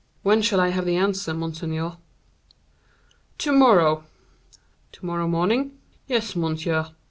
"When shall I have the answer, monseigneur?" "To morrow." "To morrow morning?" "Yes, monsieur."